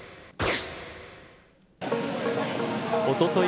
おととい